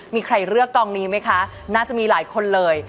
มีใครเลือกกองนี้ไหมคะน่าจะมีหลายคนเลย